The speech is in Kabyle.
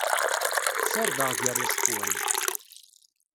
Serdeɣ gar yiẓekwan.